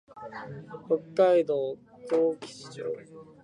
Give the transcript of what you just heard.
北海道厚岸町